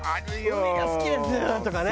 「海が好きです」とかね。